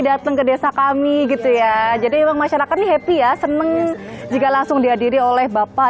datang ke desa kami gitu ya jadi memang masyarakat nih happy ya seneng jika langsung dihadiri oleh bapak